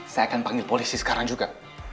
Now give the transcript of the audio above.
saya akan panggil polisi sekarang juga